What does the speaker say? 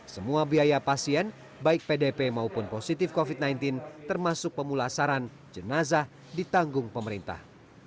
semua biaya pasien baik pdp maupun positif covid sembilan belas termasuk pemulasaran jenazah ditanggung pemerintah